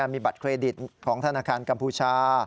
มีบัตรเครดิตของธนาคารกัมพูชา